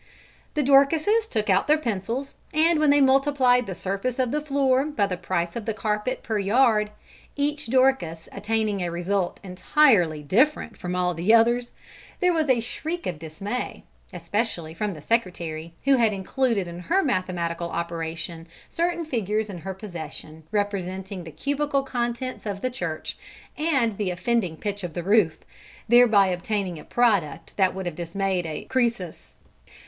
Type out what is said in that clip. The Dorcases took out their pencils, and when they multiplied the surface of the floor by the price of the carpet per yard, each Dorcas attaining a result entirely different from all the others, there was a shriek of dismay, especially from the secretary, who had included in her mathematical operation certain figures in her possession representing the cubical contents of the church and the offending pitch of the roof, thereby obtaining a product that would have dismayed a Croesus.